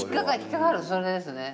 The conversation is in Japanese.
それですね。